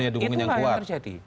itu yang terjadi